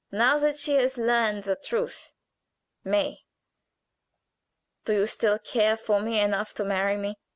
Now that she has learned the truth May, do you still care for me enough to marry me?"